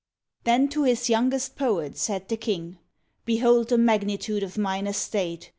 Then to his youngest poet said the king, " Behold the magnitude of mine estate!